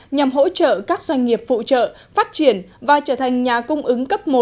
nhằm hỗ trợ các doanh nghiệp phụ trợ phát triển và trở thành nhà cung ứng cấp một